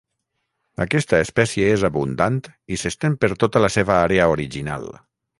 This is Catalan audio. Aquesta espècie és abundant i s'estén per tota la seva àrea original.